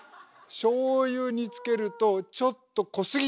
しょうゆにつけるとちょっと濃すぎた。